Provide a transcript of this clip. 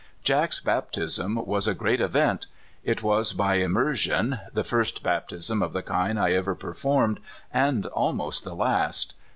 Jack's baptism was a great event. It was by im mersion, the first baptism of the kind I ever per formed, and almost the last.